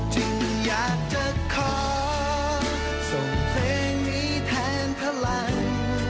จึงอยากจะขอส่งเพลงนี้แทนพลัง